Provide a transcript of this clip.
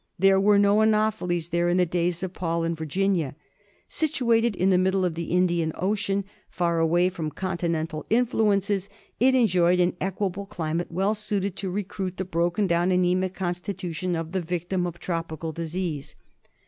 There were no anopheles there in the days of Paul and Virginia. Situated in the middle of the Indian Ocean, far away from continental influences, it enjoyed an equable climate well suited to recruit the broken down anaemic constitution of the victim of tropical disease.